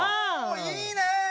いいね！